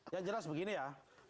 yang jelas begini ya